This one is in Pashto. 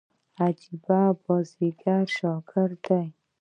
عجبه بازيګر شاګرد دئ.